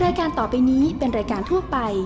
รายการต่อไปนี้เป็นรายการทั่วไป